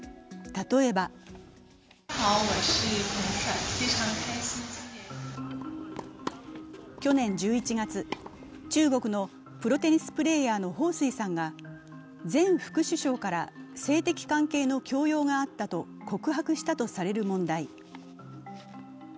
例えば去年１１月、中国のプロテニスプレーヤーの彭帥さんが前副首相から性的関係の強要があったと告白したとされる問題。